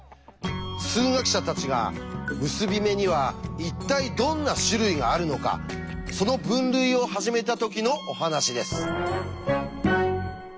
数学者たちが結び目には一体どんな種類があるのかその分類を始めた時のお話です。